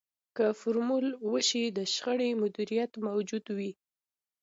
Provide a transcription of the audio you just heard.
که فورمول شوی د شخړې مديريت موجود وي.